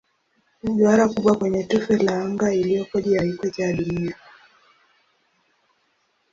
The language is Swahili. Ni duara kubwa kwenye tufe la anga iliyopo juu ya ikweta ya Dunia.